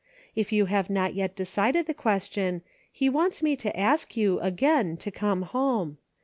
If you have not yet decided the question, He wants me to ask you, again, to come home.